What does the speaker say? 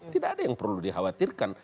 tidak ada yang perlu dikhawatirkan